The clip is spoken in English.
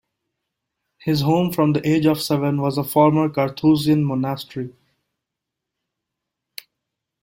His home from the age of seven was a former Carthusian monastery.